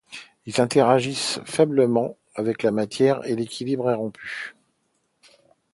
Ils interagissent faiblement avec la matière et l’équilibre est rompu.